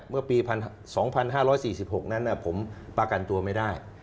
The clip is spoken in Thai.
เมื่อปี๒๕๔๖นั้นผมประกันตัวไม่ได้